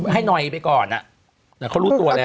ให้หน่อยไปก่อนแต่เขารู้ตัวแล้ว